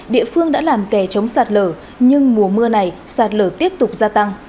địa phương đã làm kè chống sạt lở nhưng mùa mưa này sạt lở tiếp tục gia tăng